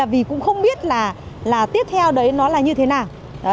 vì cũng không biết là tiếp theo đấy nó là như thế nào